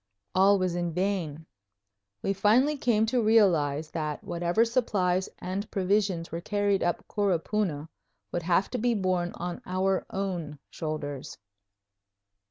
All was in vain. We finally came to realize that whatever supplies and provisions were carried up Coropuna would have to be borne on our own shoulders.